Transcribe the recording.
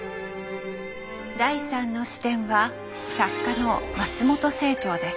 第３の視点は作家の松本清張です。